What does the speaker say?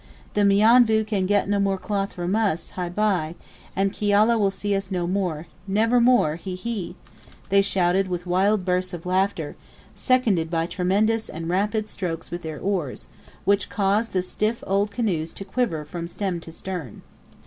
Mionvu can get no more cloth from us! by, by! And Kiala will see us no more never more! he, he! they shouted with wild bursts of laughter, seconded by tremendous and rapid strokes with their oars, which caused the stiff old canoes to quiver from stem to stern.